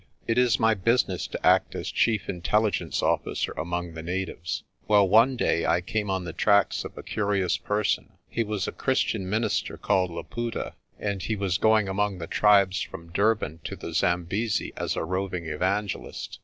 "It is my business to act as Chief Intelligence officer among the natives. Well one day I came on the tracks of a curious person. He was a Christian minister called Laputa, and he was going among the tribes from Durban to the Zambesi as a roving evangelist.